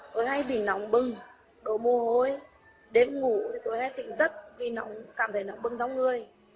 tôi hay bị nóng bưng đổ mồ hôi đếm ngủ tôi hay tỉnh giấc vì cảm thấy nóng bưng trong người